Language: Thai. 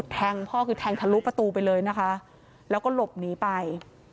แทงพ่อคือแทงทะลุประตูไปเลยนะคะแล้วก็หลบหนีไป